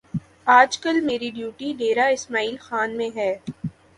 آج کل میری ڈیوٹی ڈیرہ اسماعیل خان میں ہے